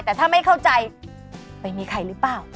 แต่ถ้าไม่เข้าใจไปมีใครหรือเปล่า